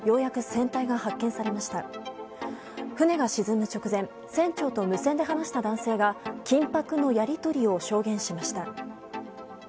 船が沈む直前船長と無線で話した男性が緊迫のやり取りを証言しました。